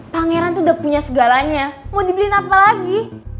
pangeran tuh udah punya segalanya mau dibeliin apa lagi